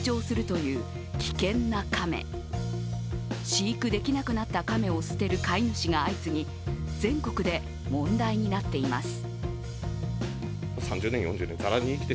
飼育できなくなった亀を捨てる飼い主が相次ぎ全国で問題になっています。